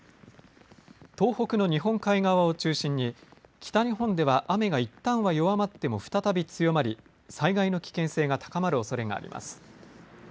東北の日本海側を中心に北日本では雨がいったんは弱まっても再び強まり災害の危険性が高まるおそれあります。